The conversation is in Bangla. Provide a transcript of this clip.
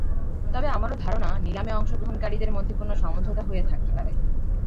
তবে আমারও ধারণা, নিলামে অংশগ্রহণকারীদের মধ্যে কোনো সমঝোতা হয়ে থাকতে পারে।